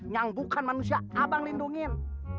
yang bukan manusia abang lindungi